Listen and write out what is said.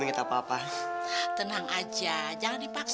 sederhana tapi bagus